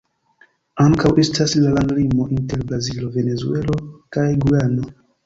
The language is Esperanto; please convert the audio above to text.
Ankaŭ estas la landlimo inter Brazilo, Venezuelo kaj Gujano.